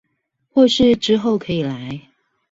或是之後可以來